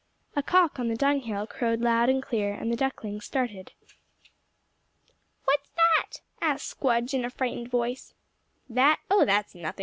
A cock on the dung hill crowed loud and clear, and the ducklings started. "What's that?" asked Squdge in a frightened voice. "That? Oh, that's nothing.